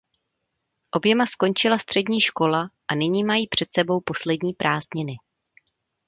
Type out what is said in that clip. Oběma skončila střední škola a nyní mají před sebou poslední prázdniny.